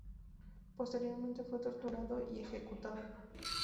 Posteriormente fue torturado y ejecutado.